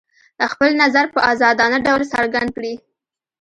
خپل نظر په ازادانه ډول څرګند کړي.